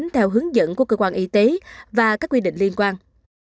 theo hướng dẫn của cơ quan y tế và các quy định liên quan